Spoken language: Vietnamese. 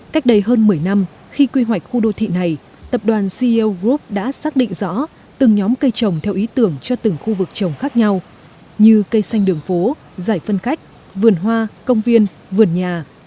cách đây hơn một mươi năm khi quy hoạch khu đô thị này tập đoàn ceo group đã xác định rõ từng nhóm cây trồng theo ý tưởng cho từng khu vực trồng khác nhau như cây xanh đường phố giải phân cách vườn hoa công viên vườn nhà